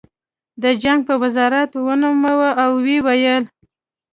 د جنګ په وزارت ونوموه او ویې ویل